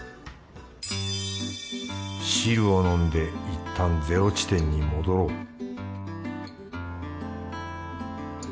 汁を飲んでいったんゼロ地点に戻ろう